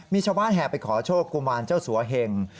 มีชาวบ้านแห่ไปขอโชคกุมารเจ้าสัวเหง